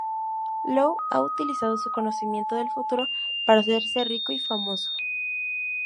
Lou ha utilizado su conocimiento del futuro para hacerse rico y famoso.